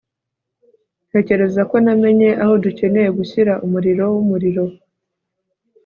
ntekereza ko namenye aho dukeneye gushyira umuriro wumuriro